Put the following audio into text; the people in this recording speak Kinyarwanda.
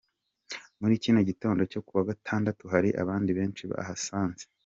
Muri kino gitondo cyo ku wa gatatu hari abandi benshi bahabasanze.